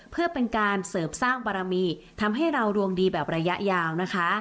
เพื่อเป็นการเสริมสร้างบารมีทำให้เราดวงดีแบบระยะยาวนะคะ